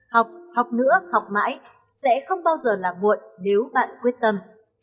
học học nữa học mãi sẽ không bao giờ là muộn nếu bạn quyết tâm